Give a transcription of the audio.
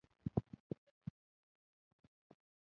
پنېر د فولاد یوه سرچینه ده.